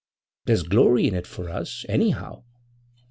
There's glory in it for us, anyhow.